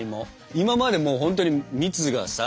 今までもうほんとに蜜がさ